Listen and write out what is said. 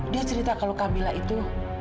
dia cerita kalau cabilla itu